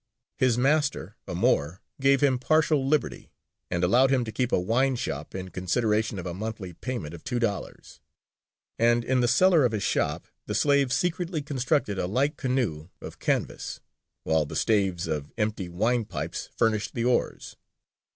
His master, a Moor, gave him partial liberty, and allowed him to keep a wineshop, in consideration of a monthly payment of two dollars; and in the cellar of his shop the slave secretly constructed a light canoe of canvas, while the staves of empty winepipes furnished the oars.